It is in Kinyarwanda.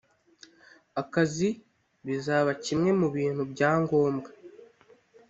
akazi bizaba kimwe mu bintu bya ngombwa